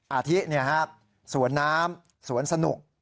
อาทิสุวรรณ์น้ำสวรรค์สนุก